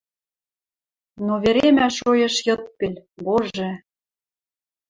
Но веремӓ шоэш йыдпел — боже!